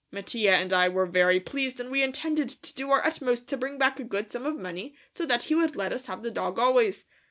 Mattia and I were very pleased and we intended to do our utmost to bring back a good sum of money so that he would let us have the dog always.